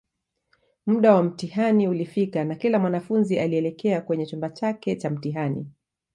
Muda wa mtihani ulifika na kila mwanafunzi alielekea kwenye chumba chake Cha mtihani